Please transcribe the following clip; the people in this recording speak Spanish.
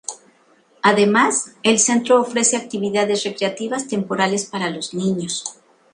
Además, el centro ofrece actividades recreativas temporales para los niños.